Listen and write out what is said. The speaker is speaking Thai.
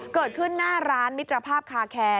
เกิดขึ้นหน้าร้านมิตรภาพคาแคร์